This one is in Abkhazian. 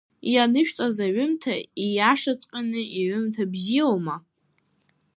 Ианышәҵаз аҩымҭа, ииашаҵәҟьаны, иҩымҭа бзиоума?